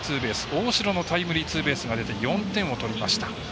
大城のタイムリーツーベース出て４点を取りました。